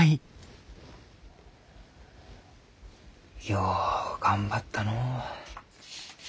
よう頑張ったのう。